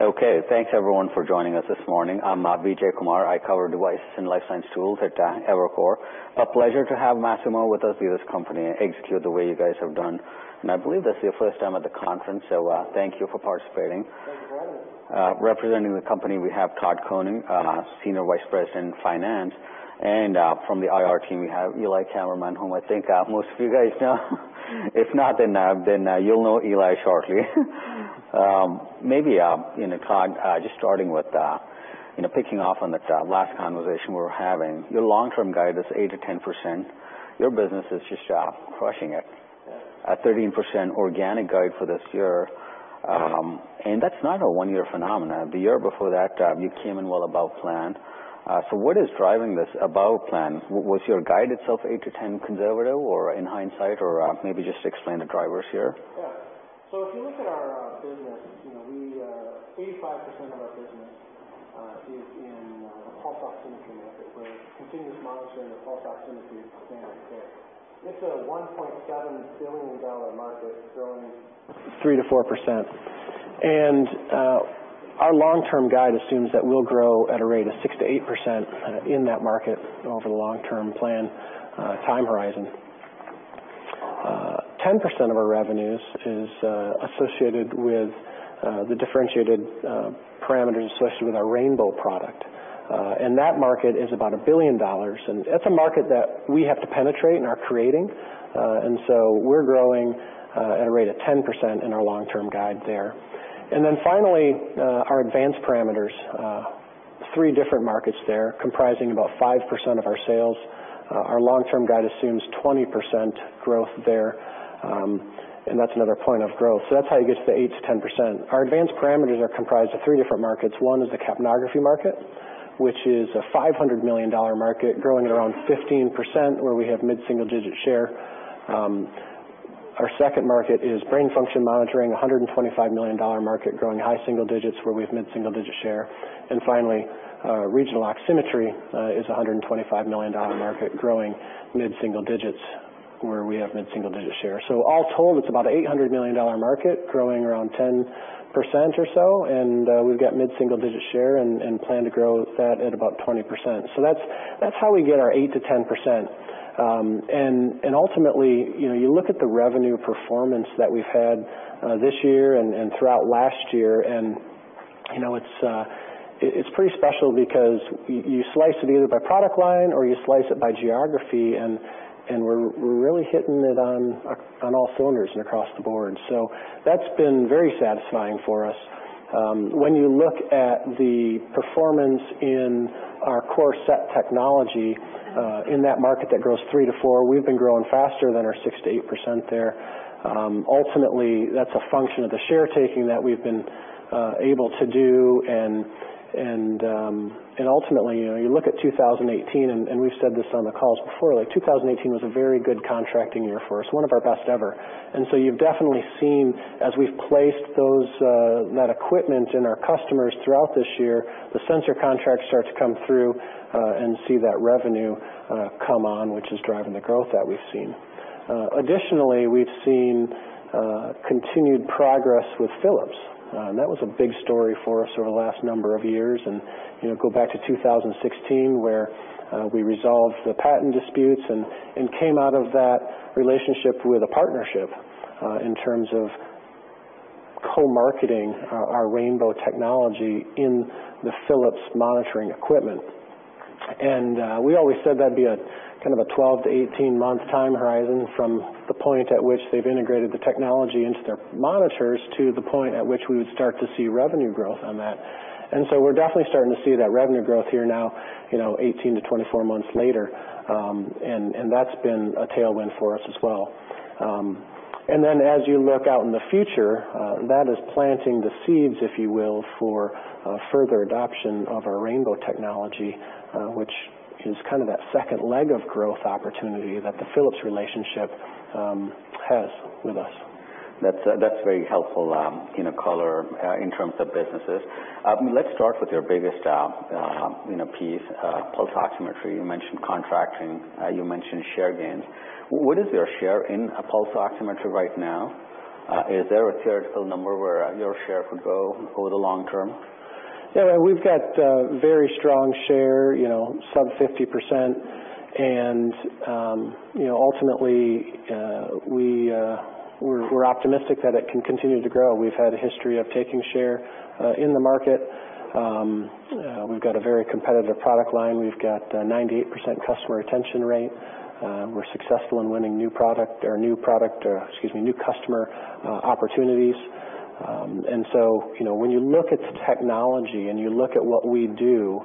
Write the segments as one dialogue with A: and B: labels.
A: Okay, thanks everyone for joining us this morning. I'm Vijay Kumar. I cover devices and life science tools at Evercore. A pleasure to have Masimo with us, seeing this company execute the way you guys have done, and I believe this is your first time at the conference, so thank you for participating.
B: Thank you for having us.
A: Representing the company, we have Todd Koning, Senior Vice President Finance, and from the IR team, we have Eli Kammerman, whom I think most of you guys know. If not, then you'll know Eli shortly. Maybe, Todd just starting with picking off on that last conversation we were having, your long-term guide is 8% to 10%. Your business is just crushing it. A 13% organic guide for this year, and that's not a one-year phenomenon. The year before that, you came in well above plan. So what is driving this above plan? Was your guide itself 8% to 10% conservative or in hindsight, or maybe just explain the drivers here?
B: Yeah. So if you look at our business, 85% of our business is in the pulse oximetry market. We're continuous monitoring the pulse oximetry standard here. It's a $1.7 billion market, growing 3% to 4%. And our long-term guide assumes that we'll grow at a rate of 6% to 8% in that market over the long-term plan time horizon. 10% of our revenues is associated with the differentiated parameters associated with our Rainbow product. And that market is about $1 billion. And that's a market that we have to penetrate and are creating. And so we're growing at a rate of 10% in our long-term guide there. And then finally, our advanced parameters, three different markets there, comprising about 5% of our sales. Our long-term guide assumes 20% growth there. And that's another point of growth. So that's how you get to the 8% to 10%. Our advanced parameters are comprised of three different markets. One is the capnography market, which is a $500 million market, growing at around 15%, where we have mid-single digit share. Our second market is brain function monitoring, a $125 million market, growing high single digits, where we have mid-single digit share, and finally, regional oximetry is a $125 million market, growing mid-single digits, where we have mid-single digit share, so all told, it's about a $800 million market, growing around 10% or so, and we've got mid-single digit share and plan to grow that at about 20%, so that's how we get our 8% to 10%, and ultimately, you look at the revenue performance that we've had this year and throughout last year, and it's pretty special because you slice it either by product line or you slice it by geography. We're really hitting it on all cylinders and across the board. So that's been very satisfying for us. When you look at the performance in our core SET technology in that market that grows 3%-4%, we've been growing faster than our 6% to 8% there. Ultimately, that's a function of the share taking that we've been able to do. And ultimately, you look at 2018, and we've said this on the calls before, 2018 was a very good contracting year for us, one of our best ever. And so you've definitely seen, as we've placed that equipment in our customers throughout this year, the sensor contracts start to come through and see that revenue come on, which is driving the growth that we've seen. Additionally, we've seen continued progress with Philips. And that was a big story for us over the last number of years. And go back to 2016, where we resolved the patent disputes and came out of that relationship with a partnership in terms of co-marketing our Rainbow technology in the Philips monitoring equipment. And we always said that'd be a kind of a 12 to 18-month time horizon from the point at which they've integrated the technology into their monitors to the point at which we would start to see revenue growth on that. And so we're definitely starting to see that revenue growth here now, 18 to 24 months later. And that's been a tailwind for us as well. And then as you look out in the future, that is planting the seeds, if you will, for further adoption of our Rainbow technology, which is kind of that second leg of growth opportunity that the Philips relationship has with us.
A: That's very helpful color in terms of businesses. Let's start with your biggest piece, pulse oximetry. You mentioned contracting. You mentioned share gains. What is your share in pulse oximetry right now? Is there a theoretical number where your share could go over the long term?
B: Yeah, we've got a very strong share, sub 50%. And ultimately, we're optimistic that it can continue to grow. We've had a history of taking share in the market. We've got a very competitive product line. We've got a 98% customer retention rate. We're successful in winning new product or new product, excuse me, new customer opportunities. And so when you look at the technology and you look at what we do,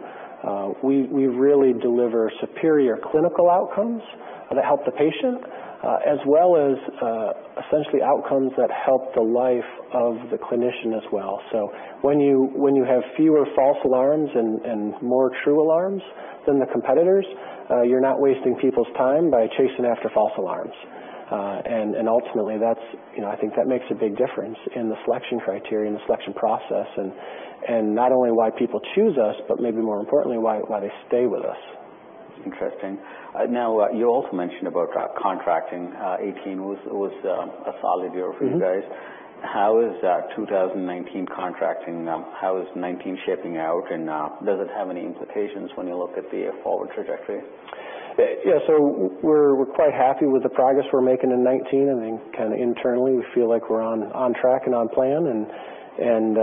B: we really deliver superior clinical outcomes that help the patient, as well as essentially outcomes that help the life of the clinician as well. So when you have fewer false alarms and more true alarms than the competitors, you're not wasting people's time by chasing after false alarms. Ultimately, I think that makes a big difference in the selection criteria, in the selection process, and not only why people choose us, but maybe more importantly, why they stay with us.
A: Interesting. Now, you also mentioned about contracting. 2018 was a solid year for you guys. How is 2019 contracting? How is 2019 shaping out? And does it have any implications when you look at the forward trajectory?
B: Yeah, so we're quite happy with the progress we're making in 2019. I mean, kind of internally, we feel like we're on track and on plan. And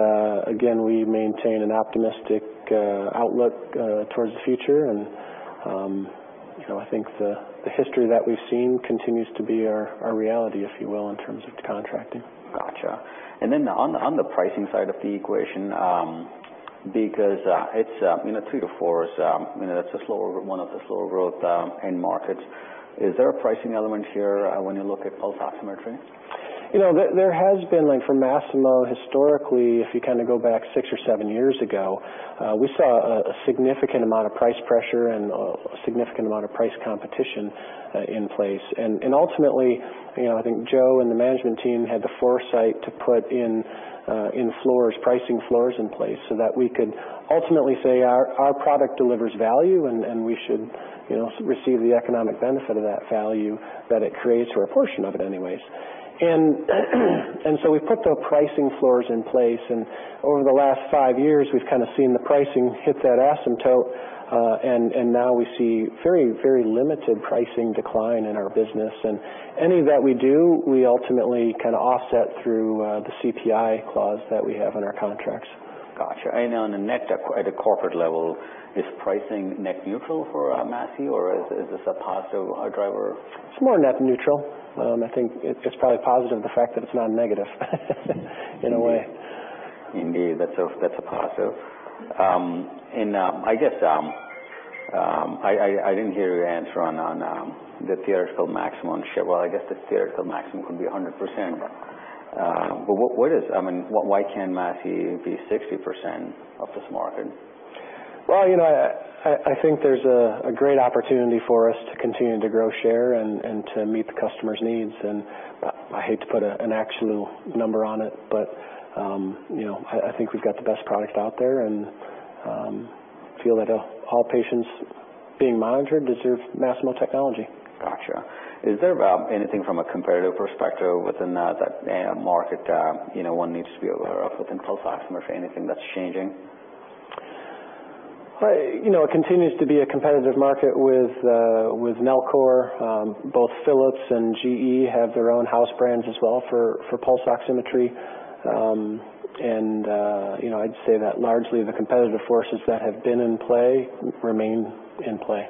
B: again, we maintain an optimistic outlook towards the future. And I think the history that we've seen continues to be our reality, if you will, in terms of contracting.
A: Gotcha. And then on the pricing side of the equation, because it's a 3 to 4, that's one of the slower growth end markets. Is there a pricing element here when you look at pulse oximetry?
B: There has been, for Masimo historically, if you kind of go back six or seven years ago, we saw a significant amount of price pressure and a significant amount of price competition in place, and ultimately, I think Joe and the management team had the foresight to put in floors, pricing floors in place so that we could ultimately say our product delivers value and we should receive the economic benefit of that value that it creates or a portion of it anyways, and so we've put the pricing floors in place, and over the last five years, we've kind of seen the pricing hit that asymptote, and now we see very, very limited pricing decline in our business, and any that we do, we ultimately kind of offset through the CPI clause that we have on our contracts.
A: Gotcha. And on a net at a corporate level, is pricing net neutral for Masimo or is this a positive driver?
B: It's more net neutral. I think it's probably positive, the fact that it's not negative in a way.
A: Indeed, that's a positive. And I guess I didn't hear your answer on the theoretical maximum share. Well, I guess the theoretical maximum could be 100%. But what is, I mean, why can't Masimo be 60% of this market?
B: I think there's a great opportunity for us to continue to grow share and to meet the customer's needs. I hate to put an actual number on it, but I think we've got the best product out there and feel that all patients being monitored deserve Masimo technology.
A: Gotcha. Is there anything from a competitive perspective within that market one needs to be aware of within pulse oximetry, anything that's changing?
B: It continues to be a competitive market with Nellcor. Both Philips and GE have their own house brands as well for pulse oximetry. And I'd say that largely the competitive forces that have been in play remain in play.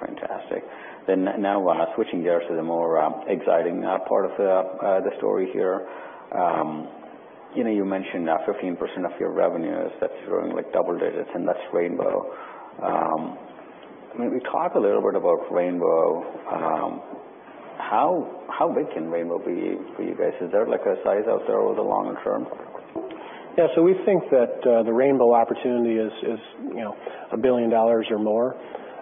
A: Fantastic. Then now switching gears to the more exciting part of the story here. You mentioned 15% of your revenue is, that's growing like double digits and that's Rainbow. I mean, we talked a little bit about Rainbow. How big can Rainbow be for you guys? Is there like a size out there over the longer term?
B: Yeah, so we think that the Rainbow opportunity is $1 billion or more.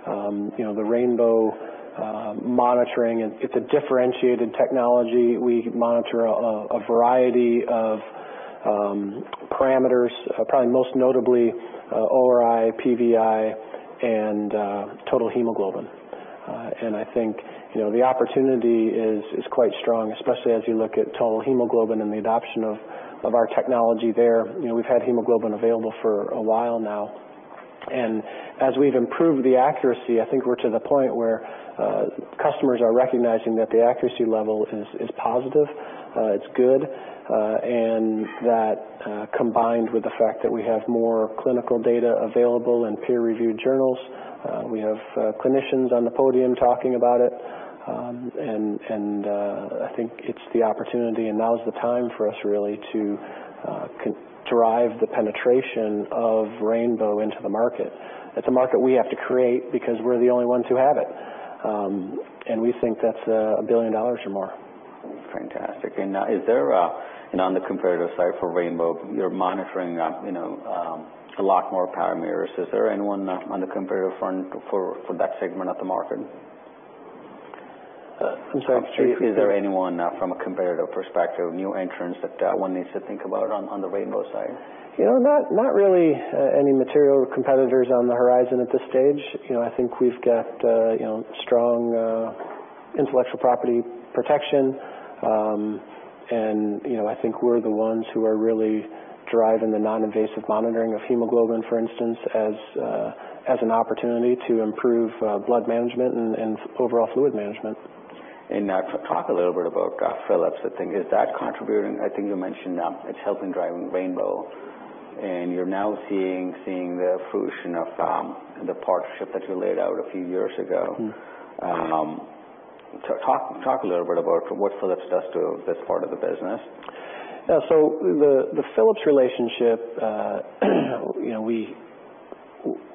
B: The Rainbow monitoring, it's a differentiated technology. We monitor a variety of parameters, probably most notably ORI, PVI, and total hemoglobin. And I think the opportunity is quite strong, especially as you look at total hemoglobin and the adoption of our technology there. We've had hemoglobin available for a while now. And as we've improved the accuracy, I think we're to the point where customers are recognizing that the accuracy level is positive. It's good. And that combined with the fact that we have more clinical data available and peer-reviewed journals, we have clinicians on the podium talking about it. And I think it's the opportunity and now is the time for us really to drive the penetration of Rainbow into the market. It's a market we have to create because we're the only ones who have it, and we think that's $1 billion or more.
A: Fantastic. And is there, on the competitive side for Rainbow, you're monitoring a lot more parameters? Is there anyone on the competitive front for that segment of the market?
B: I'm sorry.
A: Is there anyone from a competitive perspective, new entrants that one needs to think about on the Rainbow side?
B: Not really any material competitors on the horizon at this stage. I think we've got strong intellectual property protection. I think we're the ones who are really driving the non-invasive monitoring of hemoglobin, for instance, as an opportunity to improve blood management and overall fluid management.
A: Talk a little bit about Philips. Is that contributing? I think you mentioned it's helping drive Rainbow. You're now seeing the fruition of the partnership that you laid out a few years ago. Talk a little bit about what Philips does to this part of the business.
B: Yeah, so the Philips relationship,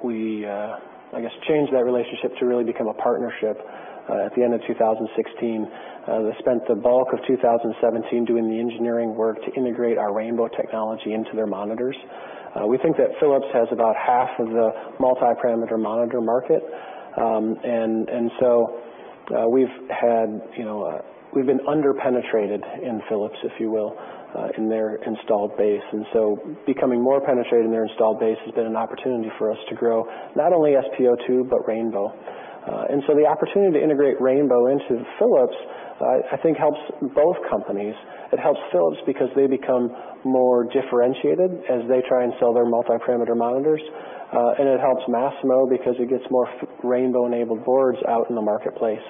B: we, I guess, changed that relationship to really become a partnership at the end of 2016. They spent the bulk of 2017 doing the engineering work to integrate our Rainbow technology into their monitors. We think that Philips has about half of the multi-parameter monitor market. And so we've been underpenetrated in Philips, if you will, in their installed base. And so becoming more penetrated in their installed base has been an opportunity for us to grow not only SpO2, but Rainbow. And so the opportunity to integrate Rainbow into Philips, I think, helps both companies. It helps Philips because they become more differentiated as they try and sell their multi-parameter monitors. And it helps Masimo because it gets more Rainbow-enabled boards out in the marketplace.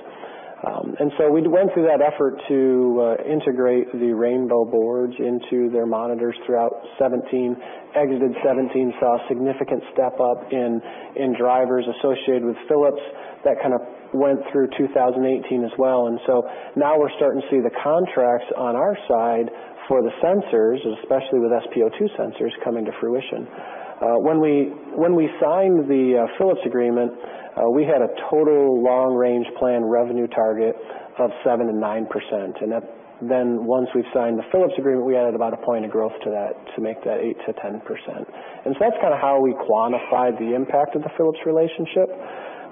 B: And so we went through that effort to integrate the Rainbow boards into their monitors throughout 2017. Exited 2017 saw a significant step up in drivers associated with Philips that kind of went through 2018 as well. And so now we're starting to see the contracts on our side for the sensors, especially with SpO2 sensors coming to fruition. When we signed the Philips agreement, we had a total long-range plan revenue target of 7% to 9%. And then once we've signed the Philips agreement, we added about a point of growth to that to make that 8% to 10%. And so that's kind of how we quantified the impact of the Philips relationship.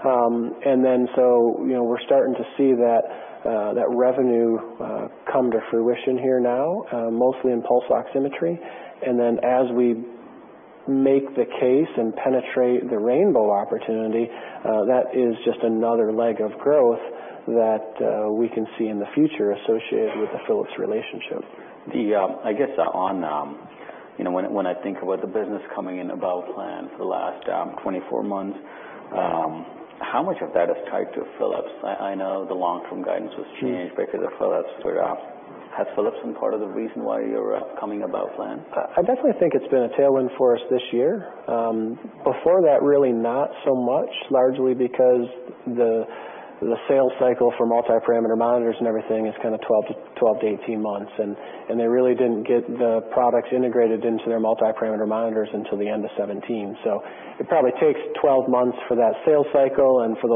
B: And then so we're starting to see that revenue come to fruition here now, mostly in pulse oximetry. And then as we make the case and penetrate the Rainbow opportunity, that is just another leg of growth that we can see in the future associated with the Philips relationship.
A: I guess when I think about the business coming in about plan for the last 24 months, how much of that is tied to Philips? I know the long-term guidance was changed because of Philips. But has Philips been part of the reason why you're coming about plan?
B: I definitely think it's been a tailwind for us this year. Before that, really not so much, largely because the sales cycle for multi-parameter monitors and everything is kind of 12 to 18 months. And they really didn't get the products integrated into their multi-parameter monitors until the end of 2017. So it probably takes 12 months for that sales cycle and for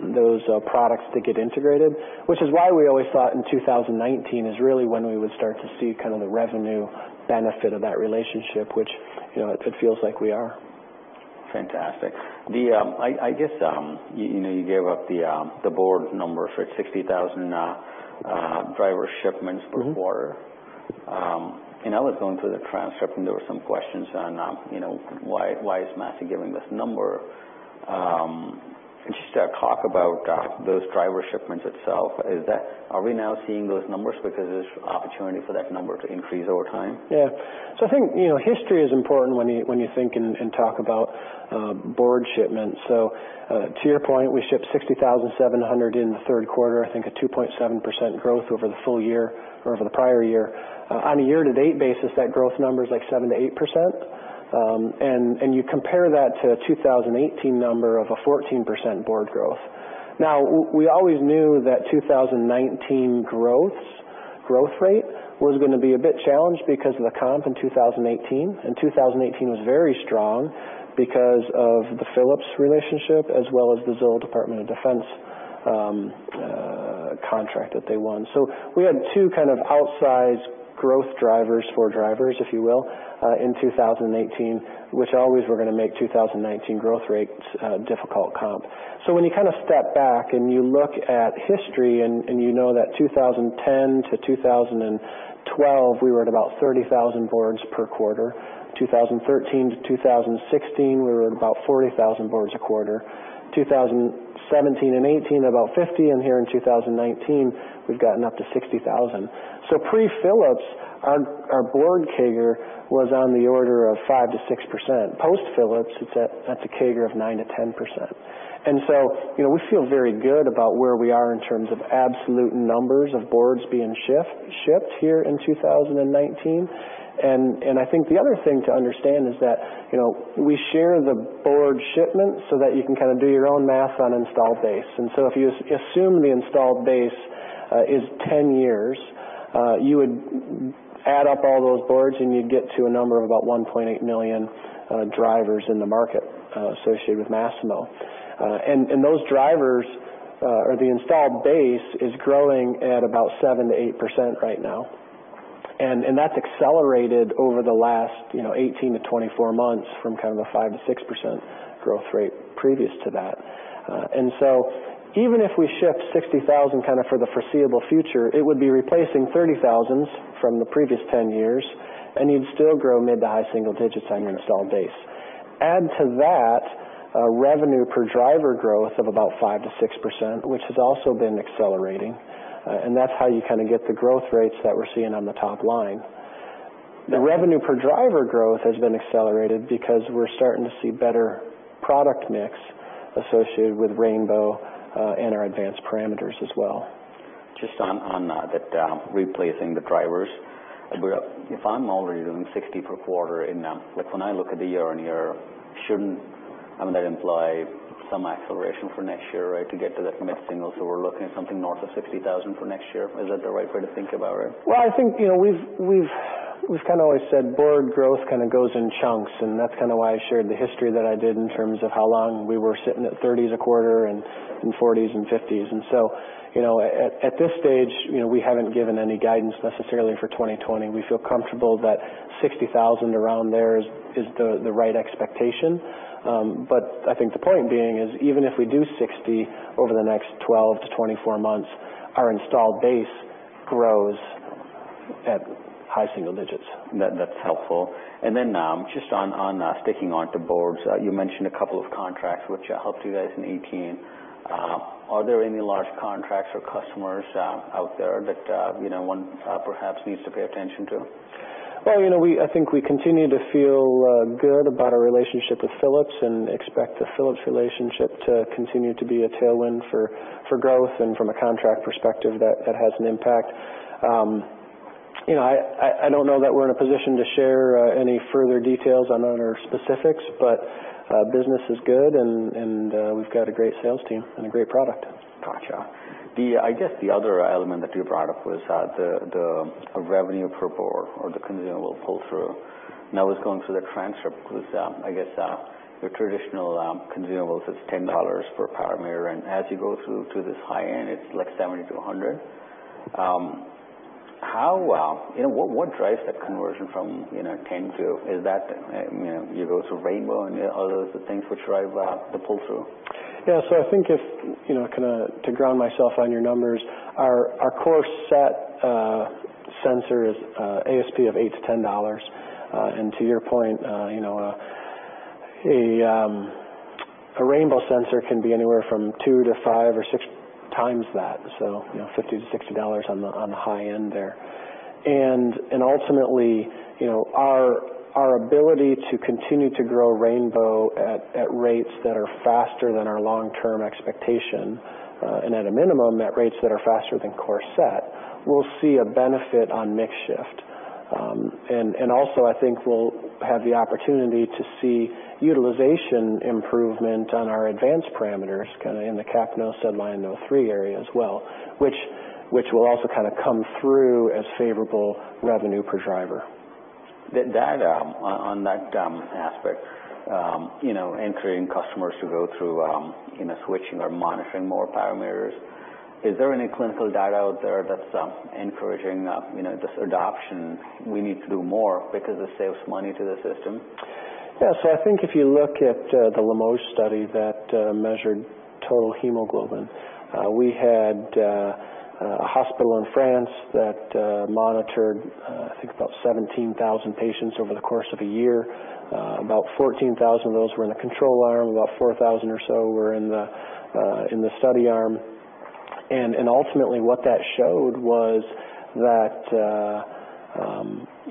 B: those products to get integrated, which is why we always thought in 2019 is really when we would start to see kind of the revenue benefit of that relationship, which it feels like we are.
A: Fantastic. I guess you gave up the board number for 60,000 driver shipments per quarter. And I was going through the transcript and there were some questions on why is Masimo giving this number. And she started to talk about those driver shipments itself. Are we now seeing those numbers because there's opportunity for that number to increase over time?
B: Yeah. So I think history is important when you think and talk about board shipments. So to your point, we shipped 60,700 in the third quarter, I think a 2.7% growth over the full year or over the prior year. On a year-to-date basis, that growth number is like 7% to 8%. And you compare that to a 2018 number of a 14% board growth. Now, we always knew that 2019 growth rate was going to be a bit challenged because of the comp in 2018. And 2018 was very strong because of the Philips relationship as well as the US Department of Defense contract that they won. So we had two kind of outsized growth drivers, if you will, in 2018, which always were going to make 2019 growth rates a difficult comp. When you kind of step back and you look at history and you know that 2010 to 2012, we were at about 30,000 boards per quarter. 2013 to 2016, we were at about 40,000 boards a quarter. 2017 and 2018, about 50. And here in 2019, we've gotten up to 60,000. Pre-Philips, our board CAGR was on the order of 5% to 6%. Post-Philips, it's a CAGR of 9% to 10%. And so we feel very good about where we are in terms of absolute numbers of boards being shipped here in 2019. And I think the other thing to understand is that we share the board shipment so that you can kind of do your own math on installed base. And so if you assume the installed base is 10 years, you would add up all those boards and you'd get to a number of about 1.8 million drivers in the market associated with Masimo. And those drivers, or the installed base is growing at about 7% to 8% right now. And that's accelerated over the last 18 to 24 months from kind of a 5% to 6% growth rate previous to that. And so even if we ship 60,000 kind of for the foreseeable future, it would be replacing 30,000 from the previous 10 years. And you'd still grow mid to high single digits on your installed base. Add to that a revenue per driver growth of about 5% to 6%, which has also been accelerating. And that's how you kind of get the growth rates that we're seeing on the top line. The revenue per driver growth has been accelerated because we're starting to see better product mix associated with Rainbow and our advanced parameters as well.
A: Just on that replacing the drivers, if I'm already doing 60 per quarter, like when I look at the year on year, shouldn't I mean, that imply some acceleration for next year to get to that mid-single? So we're looking at something north of 60,000 for next year. Is that the right way to think about it?
B: I think we've kind of always said board growth kind of goes in chunks. That's kind of why I shared the history that I did in terms of how long we were sitting at 30s a quarter and 40s and 50s. So at this stage, we haven't given any guidance necessarily for 2020. We feel comfortable that 60,000 around there is the right expectation. I think the point being is even if we do 60 over the next 12 to 24 months, our installed base grows at high single digits.
A: That's helpful. And then just on sticking on to boards, you mentioned a couple of contracts which helped you guys in 2018. Are there any large contracts or customers out there that one perhaps needs to pay attention to?
B: I think we continue to feel good about our relationship with Philips and expect the Philips relationship to continue to be a tailwind for growth and from a contract perspective that has an impact. I don't know that we're in a position to share any further details on our specifics, but business is good and we've got a great sales team and a great product.
A: Gotcha. I guess the other element that you brought up was the revenue per board or the consumable pull-through. Now I was going through the transcript because I guess your traditional consumables is $10 per parameter. And as you go through to this high end, it's like $70 to $100. What drives that conversion from 10 to? Is that you go through Rainbow and all those things which drive the pull-through?
B: Yeah. So I think if kind of to ground myself on your numbers, our core SET sensor is ASP of $8 to $10. And to your point, a Rainbow sensor can be anywhere from 2 to 5 or 6 times that. So $50 to $60 on the high end there. And ultimately, our ability to continue to grow Rainbow at rates that are faster than our long-term expectation, and at a minimum at rates that are faster than core SET, we'll see a benefit on mix shift. And also, I think we'll have the opportunity to see utilization improvement on our advanced parameters kind of in the capnography, NomoLine, SedLine, O3 as well, which will also kind of come through as favorable revenue per driver.
A: That data on that aspect, encouraging customers to go through switching or monitoring more parameters, is there any clinical data out there that's encouraging this adoption? We need to do more because it saves money to the system.
B: Yeah. So I think if you look at the Limoges study that measured total hemoglobin, we had a hospital in France that monitored, I think, about 17,000 patients over the course of a year. About 14,000 of those were in the control arm. About 4,000 or so were in the study arm. And ultimately, what that showed was that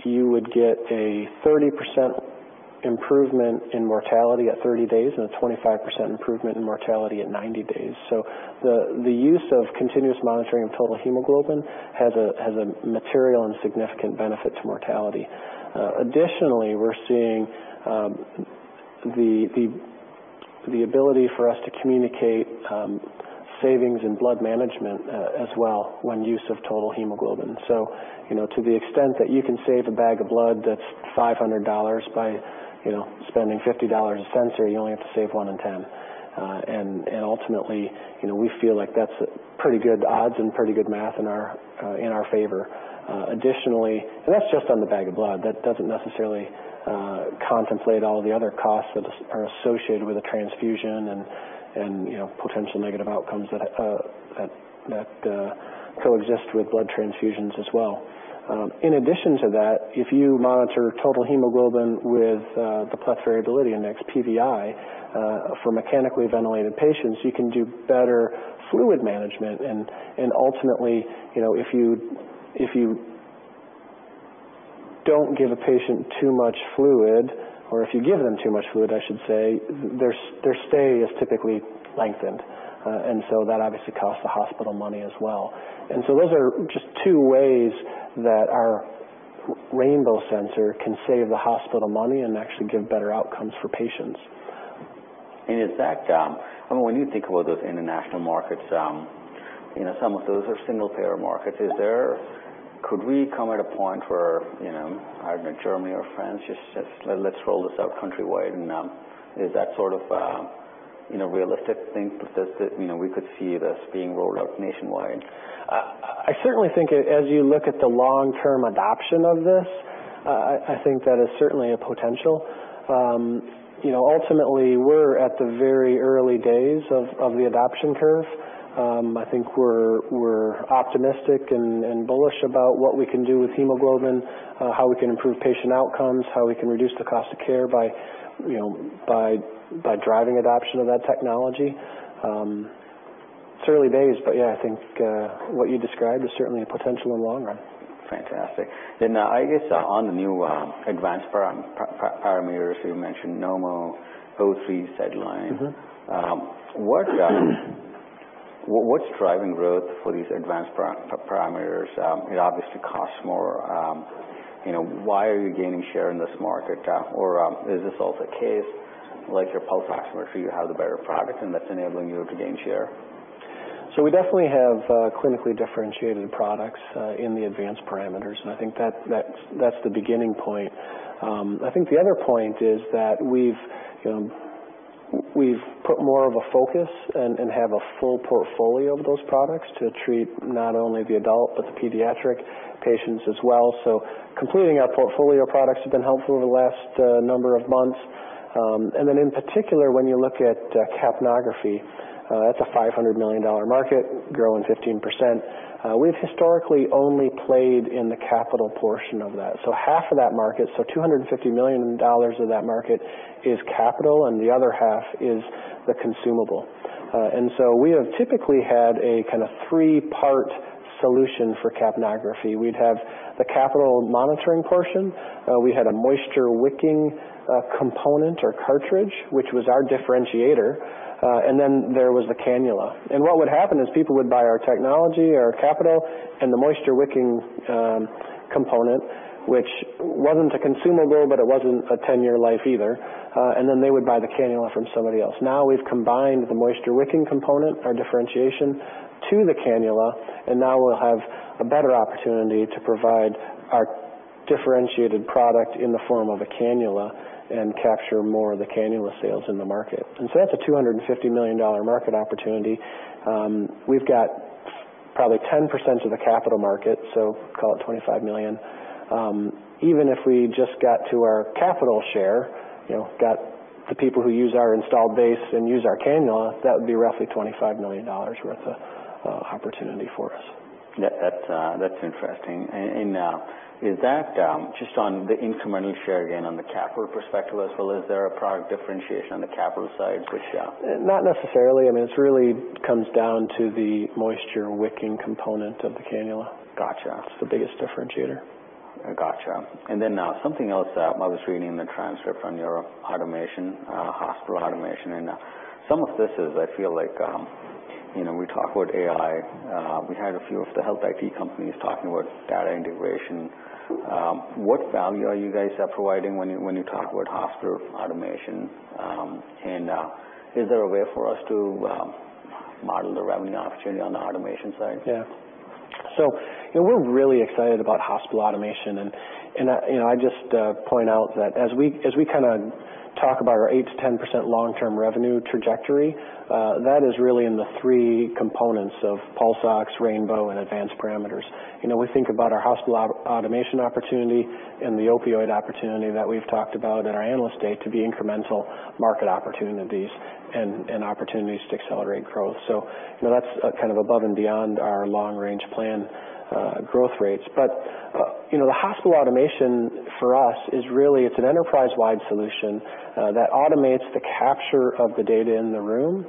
B: you would get a 30% improvement in mortality at 30 days and a 25% improvement in mortality at 90 days. So the use of continuous monitoring of total hemoglobin has a material and significant benefit to mortality. Additionally, we're seeing the ability for us to communicate savings in blood management as well when use of total hemoglobin. So to the extent that you can save a bag of blood that's $500 by spending $50 a sensor, you only have to save one in 10. And ultimately, we feel like that's pretty good odds and pretty good math in our favor. Additionally, and that's just on the bag of blood, that doesn't necessarily contemplate all of the other costs that are associated with a transfusion and potential negative outcomes that coexist with blood transfusions as well. In addition to that, if you monitor total hemoglobin with the Pleth Variability Index, PVI, for mechanically ventilated patients, you can do better fluid management. And ultimately, if you don't give a patient too much fluid, or if you give them too much fluid, I should say, their stay is typically lengthened. And so that obviously costs the hospital money as well. And so those are just two ways that our Rainbow sensor can save the hospital money and actually give better outcomes for patients.
A: When you think about those international markets, some of those are single-payer markets. Could we come at a point where, I don't know, Germany or France, just let's roll this out countrywide? Is that sort of a realistic thing that we could see this being rolled out nationwide?
B: I certainly think as you look at the long-term adoption of this, I think that is certainly a potential. Ultimately, we're at the very early days of the adoption curve. I think we're optimistic and bullish about what we can do with hemoglobin, how we can improve patient outcomes, how we can reduce the cost of care by driving adoption of that technology. It's early days, but yeah, I think what you described is certainly a potential in the long run.
A: Fantastic. And I guess on the new advanced parameters you mentioned, NomoLine, O3, SedLine, what's driving growth for these advanced parameters? It obviously costs more. Why are you gaining share in this market? Or is this also a case like your pulse oximetry, you have the better product and that's enabling you to gain share?
B: So we definitely have clinically differentiated products in the advanced parameters. And I think that's the beginning point. I think the other point is that we've put more of a focus and have a full portfolio of those products to treat not only the adult, but the pediatric patients as well. So completing our portfolio products has been helpful over the last number of months. And then in particular, when you look at capnography, that's a $500 million market, growing 15%. We've historically only played in the capital portion of that. So half of that market, so $250 million of that market is capital, and the other half is the consumable. And so we have typically had a kind of three-part solution for capnography. We'd have the capital monitoring portion. We had a moisture wicking component or cartridge, which was our differentiator. And then there was the cannula. What would happen is people would buy our technology, our capital, and the moisture wicking component, which wasn't a consumable, but it wasn't a 10-year life either. Then they would buy the cannula from somebody else. Now we've combined the moisture wicking component, our differentiation, to the cannula. Now we'll have a better opportunity to provide our differentiated product in the form of a cannula and capture more of the cannula sales in the market. So that's a $250 million market opportunity. We've got probably 10% of the capital market, so call it $25 million. Even if we just got to our capital share, got the people who use our installed base and use our cannula, that would be roughly $25 million worth of opportunity for us.
A: That's interesting. And is that just on the incremental share again on the capital perspective as well? Is there a product differentiation on the capital side, which?
B: Not necessarily. I mean, it really comes down to the moisture wicking component of the cannula.
A: Gotcha.
B: It's the biggest differentiator.
A: Gotcha. And then something else I was reading in the transcript on your automation, hospital automation. And some of this is, I feel like we talk about AI. We had a few of the health IT companies talking about data integration. What value are you guys providing when you talk about hospital automation? And is there a way for us to model the revenue opportunity on the automation side?
B: Yeah, so we're really excited about hospital automation, and I just point out that as we kind of talk about our 8% to 10% long-term revenue trajectory, that is really in the three components of pulse ox, Rainbow, and advanced parameters. We think about our hospital automation opportunity and the opioid opportunity that we've talked about at our analyst day to be incremental market opportunities and opportunities to accelerate growth, so that's kind of above and beyond our long-range plan growth rates, but the hospital automation for us is really, it's an enterprise-wide solution that automates the capture of the data in the room,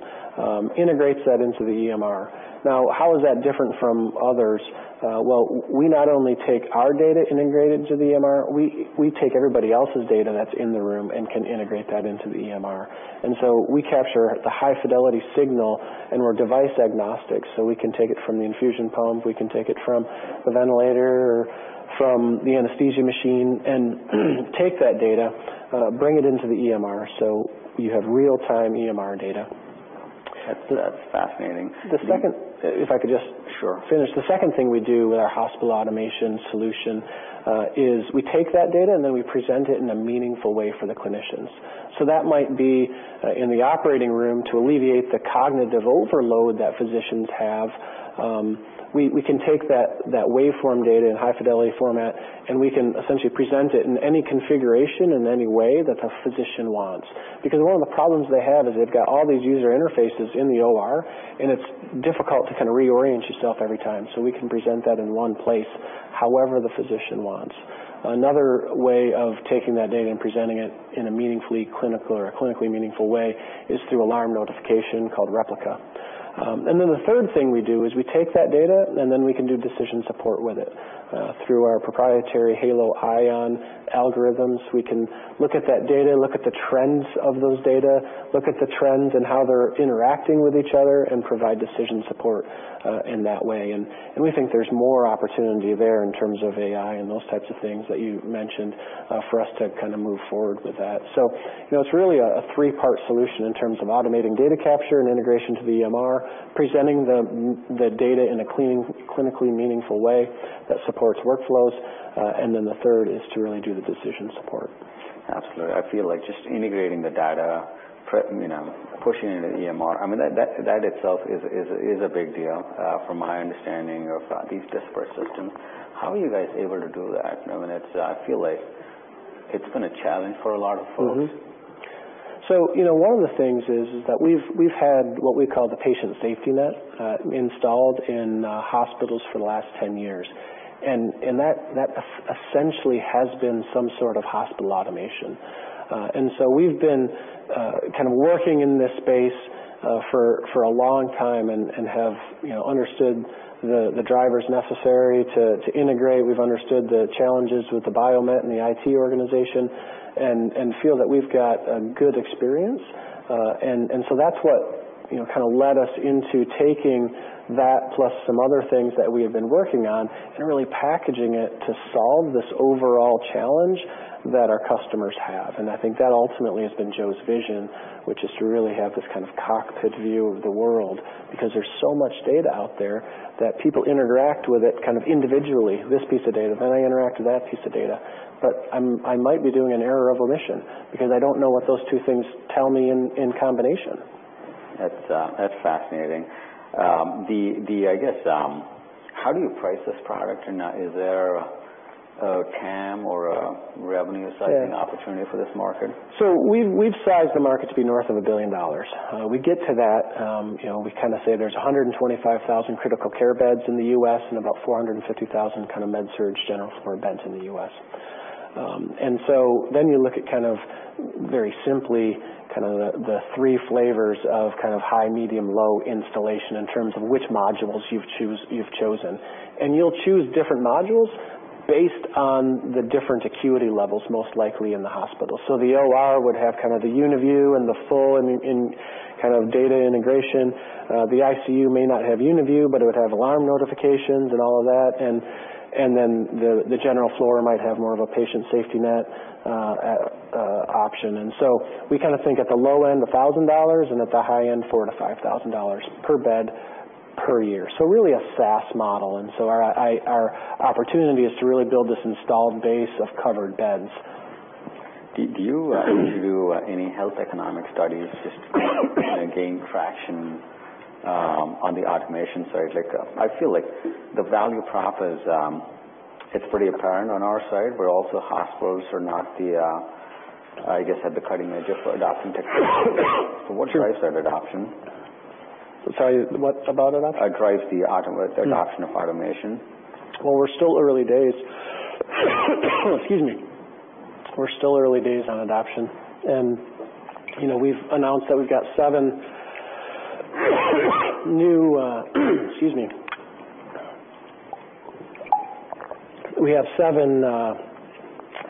B: integrates that into the EMR. Now, how is that different from others? Well, we not only take our data integrated to the EMR, we take everybody else's data that's in the room and can integrate that into the EMR. We capture the high-fidelity signal, and we're device agnostic. We can take it from the infusion pump, we can take it from the ventilator, from the anesthesia machine, and take that data, bring it into the EMR. You have real-time EMR data.
A: That's fascinating.
B: The second, if I could just finish, the second thing we do with our hospital automation solution is we take that data and then we present it in a meaningful way for the clinicians. So that might be in the operating room to alleviate the cognitive overload that physicians have. We can take that waveform data in high-fidelity format, and we can essentially present it in any configuration and any way that the physician wants. Because one of the problems they have is they've got all these user interfaces in the OR, and it's difficult to kind of reorient yourself every time. So we can present that in one place, however the physician wants. Another way of taking that data and presenting it in a meaningfully clinical or a clinically meaningful way is through alarm notification called Replica. And then the third thing we do is we take that data, and then we can do decision support with it. Through our proprietary Halo algorithms, we can look at that data, look at the trends of those data, look at the trends and how they're interacting with each other, and provide decision support in that way. And we think there's more opportunity there in terms of AI and those types of things that you mentioned for us to kind of move forward with that. So it's really a three-part solution in terms of automating data capture and integration to the EMR, presenting the data in a clinically meaningful way that supports workflows. And then the third is to really do the decision support.
A: Absolutely. I feel like just integrating the data, pushing it into EMR, I mean, that itself is a big deal from my understanding of these disparate systems. How are you guys able to do that? I mean, I feel like it's been a challenge for a lot of folks.
B: So one of the things is that we've had what we call the Patient SafetyNet installed in hospitals for the last 10 years. And that essentially has been some sort of hospital automation. And so we've been kind of working in this space for a long time and have understood the drivers necessary to integrate. We've understood the challenges with the Biomed and the IT organization and feel that we've got a good experience. And so that's what kind of led us into taking that plus some other things that we have been working on and really packaging it to solve this overall challenge that our customers have. And I think that ultimately has been Joe's vision, which is to really have this kind of cockpit view of the world because there's so much data out there that people interact with it kind of individually, this piece of data, then I interact with that piece of data. But I might be doing an error of omission because I don't know what those two things tell me in combination.
A: That's fascinating. I guess, how do you price this product? Is there a CAM or a revenue-sizing opportunity for this market?
B: We've sized the market to be north of $1 billion. We get to that. We kind of say there's 125,000 critical care beds in the U.S. and about 450,000 kind of Med-Surg, general Med-Surg beds in the U.S. And so then you look at kind of very simply kind of the three flavors of kind of high, medium, low installation in terms of which modules you've chosen. And you'll choose different modules based on the different acuity levels most likely in the hospital. So the OR would have kind of the UniView and the full kind of data integration. The ICU may not have UniView, but it would have alarm notifications and all of that. And then the general floor might have more of a Patient SafetyNet option. And so we kind of think at the low end, $1,000, and at the high end, $4,000-$5,000 per bed per year. So really a SaaS model. And so our opportunity is to really build this installed base of covered beds.
A: Do you do any health economic studies just to kind of gain traction on the automation side? I feel like the value prop is, it's pretty apparent on our side. But also hospitals are not the, I guess, at the cutting edge of adopting technology. So what drives that adoption?
B: Sorry, what about adoption?
A: Drives the adoption of automation?
B: We're still early days. Excuse me. We're still early days on adoption. We've announced that we've got seven new, excuse me. We have seven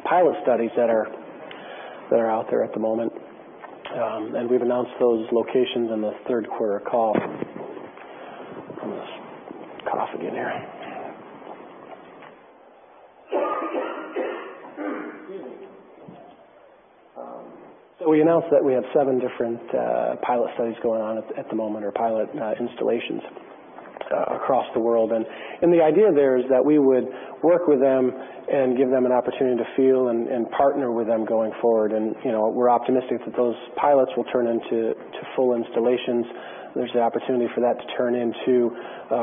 B: pilot studies that are out there at the moment. We've announced those locations in the third quarter call. I'm going to cough again here. We announced that we have seven different pilot studies going on at the moment or pilot installations across the world. The idea there is that we would work with them and give them an opportunity to feel and partner with them going forward. We're optimistic that those pilots will turn into full installations. There's the opportunity for that to turn into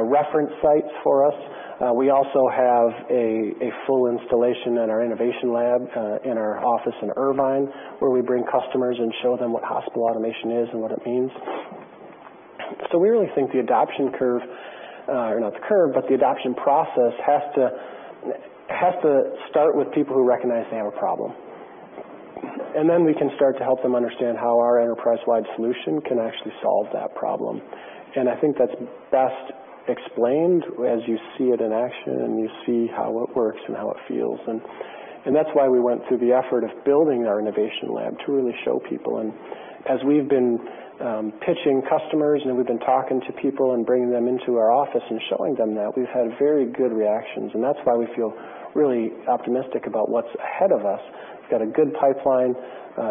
B: reference sites for us. We also have a full installation at our innovation lab in our office in Irvine where we bring customers and show them what hospital automation is and what it means. So we really think the adoption curve, or not the curve, but the adoption process has to start with people who recognize they have a problem. And then we can start to help them understand how our enterprise-wide solution can actually solve that problem. And I think that's best explained as you see it in action and you see how it works and how it feels. And that's why we went through the effort of building our innovation lab to really show people. And as we've been pitching customers and we've been talking to people and bringing them into our office and showing them that, we've had very good reactions. And that's why we feel really optimistic about what's ahead of us. We've got a good pipeline,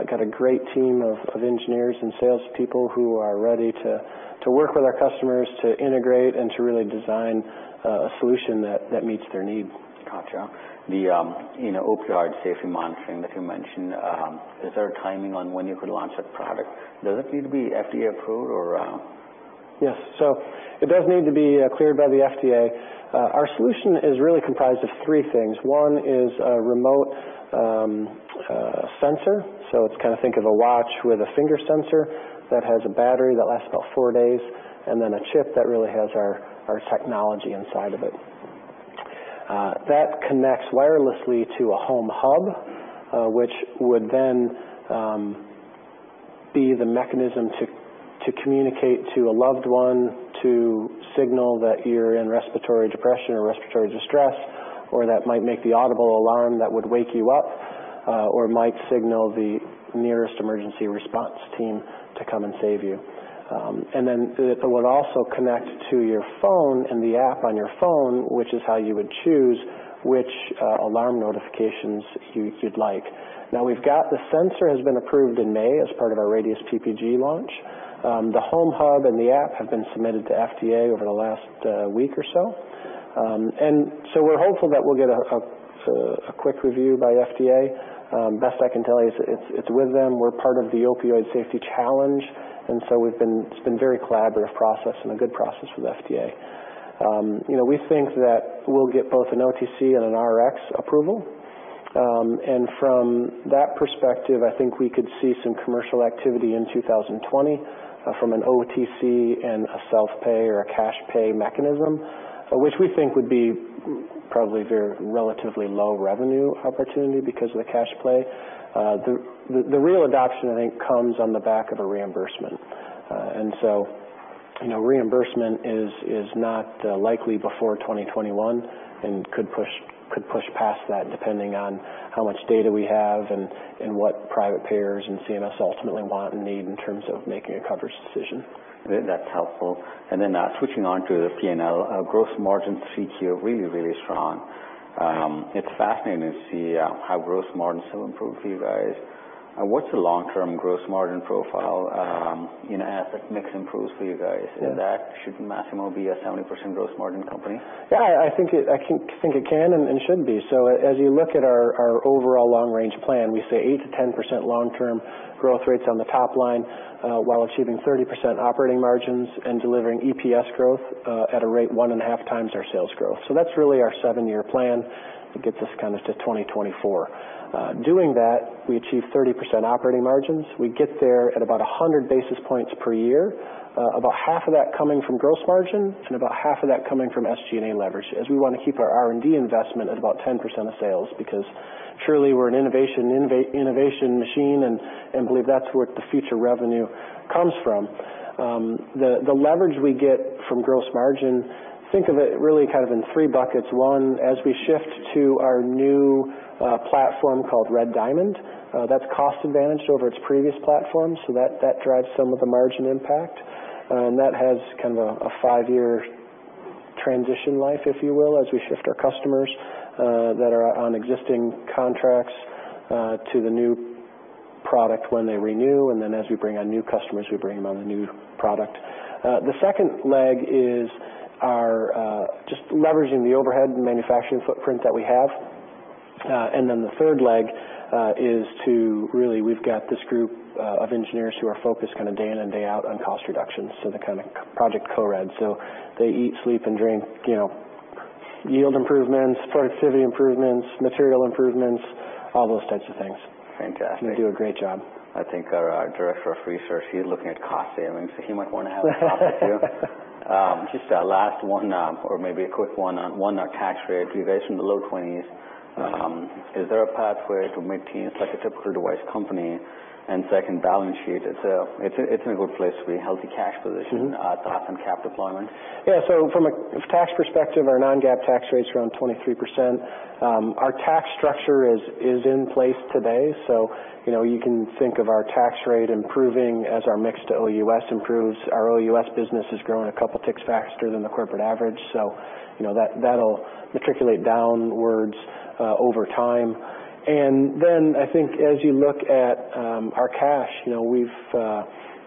B: got a great team of engineers and salespeople who are ready to work with our customers to integrate and to really design a solution that meets their need.
A: Gotcha. The opioid safety monitoring that you mentioned, is there a timing on when you could launch that product? Does it need to be FDA approved or?
B: Yes. So it does need to be cleared by the FDA. Our solution is really comprised of three things. One is a remote sensor. So it's kind of think of a watch with a finger sensor that has a battery that lasts about four days and then a chip that really has our technology inside of it. That connects wirelessly to a home hub, which would then be the mechanism to communicate to a loved one to signal that you're in respiratory depression or respiratory distress, or that might make the audible alarm that would wake you up or might signal the nearest emergency response team to come and save you. And then it would also connect to your phone and the app on your phone, which is how you would choose which alarm notifications you'd like. Now, we've got the sensor has been approved in May as part of our Radius PPG launch. The home hub and the app have been submitted to FDA over the last week or so, and so we're hopeful that we'll get a quick review by FDA. Best I can tell you is it's with them. We're part of the opioid safety challenge, and so it's been a very collaborative process and a good process with FDA. We think that we'll get both an OTC and an Rx approval, and from that perspective, I think we could see some commercial activity in 2020 from an OTC and a self-pay or a cash-pay mechanism, which we think would be probably relatively low revenue opportunity because of the cash play. The real adoption, I think, comes on the back of a reimbursement. And so reimbursement is not likely before 2021 and could push past that depending on how much data we have and what private payers and CMS ultimately want and need in terms of making a coverage decision.
A: That's helpful. And then switching on to the P&L, gross margin streak here really, really strong. It's fascinating to see how gross margins have improved for you guys. What's the long-term gross margin profile as that mix improves for you guys? And that should maximum be a 70% gross margin company?
B: Yeah, I think it can and should be, so as you look at our overall long-range plan, we say 8% 10% long-term growth rates on the top line while achieving 30% operating margins and delivering EPS growth at a rate one and a half times our sales growth, so that's really our 7 year plan. It gets us kind of to 2024. Doing that, we achieve 30% operating margins. We get there at about 100 basis points per year, about half of that coming from gross margin and about half of that coming from SG&A leverage as we want to keep our R&D investment at about 10% of sales because truly we're an innovation machine and believe that's where the future revenue comes from. The leverage we get from gross margin, think of it really kind of in three buckets. One, as we shift to our new platform called Red Diamond, that's cost-advantaged over its previous platform, so that drives some of the margin impact, and that has kind of a five-year transition life, if you will, as we shift our customers that are on existing contracts to the new product when they renew, and then as we bring on new customers, we bring them on the new platform. The second leg is just leveraging the overhead manufacturing footprint that we have, and then the third leg is to really, we've got this group of engineers who are focused kind of day in and day out on cost reductions, so the kind of Project CORE, so they eat, sleep, and breathe yield improvements, productivity improvements, material improvements, all those types of things.
A: Fantastic.
B: They do a great job.
A: I think our director of research, he's looking at cost savings. So he might want to have a talk with you. Just last one or maybe a quick one-on-one tax rate. We've had some low 20s%. Is there a pathway to maintain such a typical device company and second balance sheet? It's in a good place to be a healthy cash position, thoughts on cap deployment.
B: Yeah. So from a tax perspective, our non-GAAP tax rate's around 23%. Our tax structure is in place today. So you can think of our tax rate improving as our mix to OUS improves. Our OUS business is growing a couple ticks faster than the corporate average. So that'll matriculate downwards over time. And then I think as you look at our cash, we're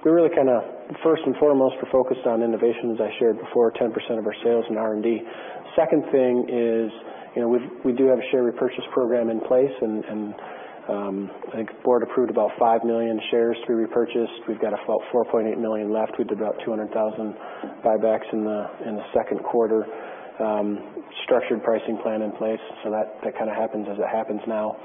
B: really kind of first and foremost, we're focused on innovation, as I shared before, 10% of our sales and R&D. Second thing is we do have a share repurchase program in place and I think board approved about five million shares to be repurchased. We've got about 4.8 million left. We did about 200,000 buybacks in the second quarter, structured pricing plan in place. So that kind of happens as it happens now.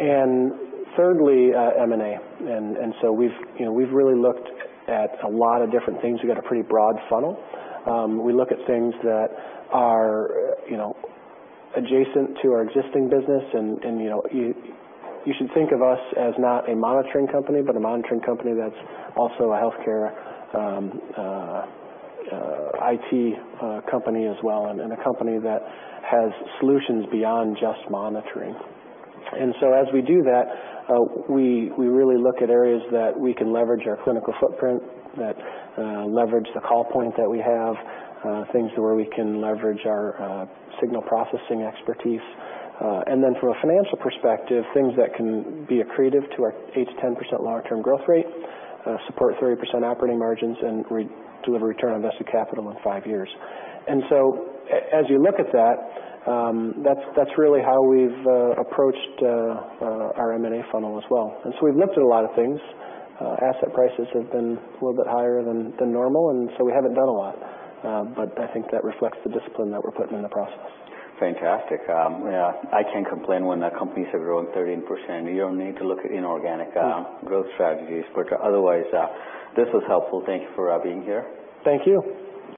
B: And thirdly, M&A. And so we've really looked at a lot of different things. We've got a pretty broad funnel. We look at things that are adjacent to our existing business. And you should think of us as not a monitoring company, but a monitoring company that's also a healthcare IT company as well and a company that has solutions beyond just monitoring. And so as we do that, we really look at areas that we can leverage our clinical footprint, that leverage the call point that we have, things where we can leverage our signal processing expertise. And then from a financial perspective, things that can be accretive to our 8% to 10% long-term growth rate, support 30% operating margins, and deliver return on invested capital in five years. And so as you look at that, that's really how we've approached our M&A funnel as well. And so we've looked at a lot of things. Asset prices have been a little bit higher than normal. And so we haven't done a lot. But I think that reflects the discipline that we're putting in the process.
A: Fantastic. Yeah. I can't complain when a company is growing 13%. You don't need to look at inorganic growth strategies, but otherwise, this was helpful. Thank you for being here.
B: Thank you.